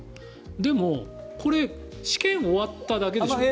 でもこれ試験終わっただけでしょ？